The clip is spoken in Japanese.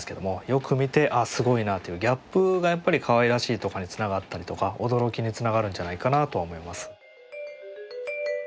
よく見てあすごいなというギャップがやっぱりかわいらしいとかにつながったりとか驚きにつながるんじゃないかなとは思います。